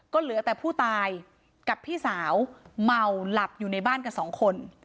ก็เหลือแต่ผู้ตายกับพี่สาวเมาหลับอยู่ในบ้านกันสองคน